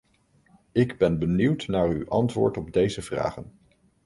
Ik ben benieuwd naar uw antwoord op deze vragen.